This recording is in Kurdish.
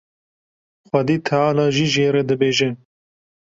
Xwedî Teala jî jê re dibêje.